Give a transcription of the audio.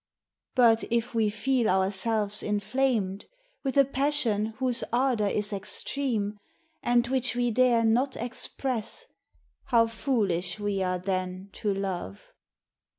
But if we feel ourselves inflamed With a passion whose ardor is extreme, And which we dare not express, How foolish we are, then, to love!